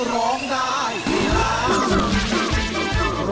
ร้องได้ให้ล้าน